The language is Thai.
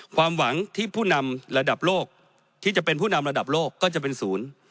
ความหวังที่จะเป็นผู้นำระดับโลกก็จะเป็นศูนย์